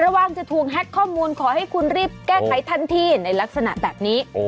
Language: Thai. ระวังจะถูกแฮ็กข้อมูลขอให้คุณรีบแก้ไขทันทีในลักษณะแบบนี้